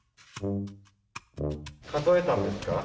数えたんですか？